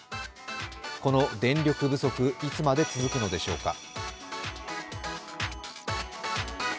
この電力不足、いつまで続くのでしょうか？